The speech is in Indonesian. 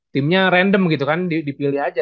timnya random gitu kan dipilih aja